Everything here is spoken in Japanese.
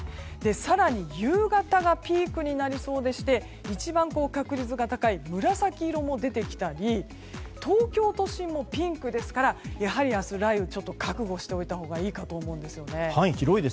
更に夕方がピークになりそうでして一番確率が高い紫色も出てきたり東京都心もピンクですから明日は雷雨を覚悟しておいたほうがいいかと思うんです。